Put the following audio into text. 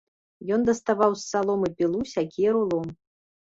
Ён даставаў з саломы пілу, сякеру, лом.